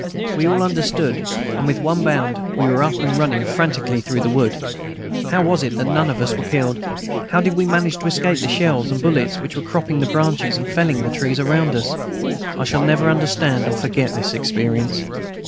We all understood, and with one bound we were up and running frantically through the wood. How was it that none of us were killed? How did we manage to escape the shells and bullets which were cropping the branches and felling the trees around us? I shall never understand or forget this experience.